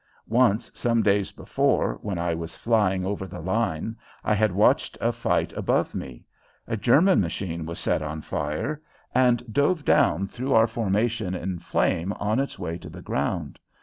Once, some days before, when I was flying over the line I had watched a fight above me. A German machine was set on fire and dove down through our formation in flame on its way to the ground.